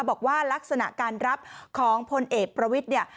บอกว่าลักษณะการรับของพลเอกประวิทย์เนี่ย